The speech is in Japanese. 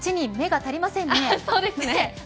８人、目が足りませんね。